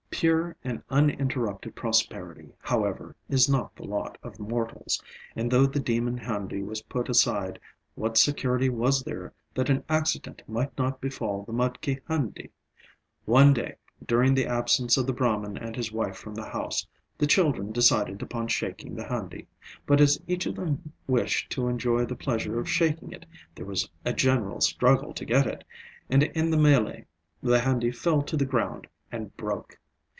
Pure and uninterrupted prosperity, however, is not the lot of mortals; and though the demon handi was put aside, what security was there that an accident might not befall the mudki handi? One day, during the absence of the Brahman and his wife from the house, the children decided upon shaking the handi; but as each of them wished to enjoy the pleasure of shaking it there was a general struggle to get it, and in the mêlée the handi fell to the ground and broke.